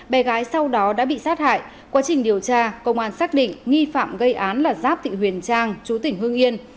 bé gái sau đó đã bị sát hại quá trình điều tra công an xác định nghi phạm gây án là giáp thị huyền trang chú tỉnh hương yên